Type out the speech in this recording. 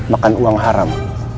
makan uang haram